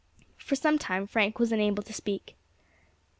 For some time Frank was unable to speak.